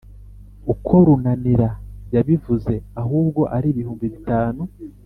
uko runanira yabivuze, ahubwo ari ibihumbi bitanu